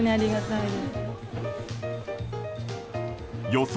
予想